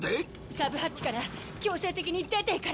サブハッチから強制的に出ていかれて。